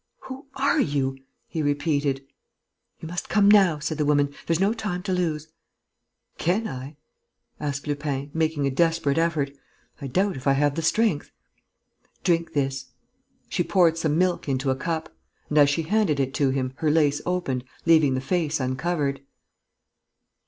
"Who are you?" he repeated. "You must come now," said the woman. "There's no time to lose." "Can I?" asked Lupin, making a desperate effort. "I doubt if I have the strength." "Drink this." She poured some milk into a cup; and, as she handed it to him, her lace opened, leaving the face uncovered.